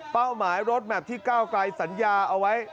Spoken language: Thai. หมายรถแมพที่ก้าวไกลสัญญาเอาไว้